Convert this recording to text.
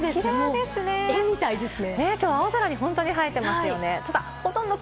絵みたいですね。